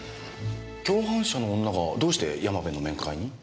共犯者の女がどうして山部の面会に？